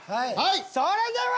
それでは。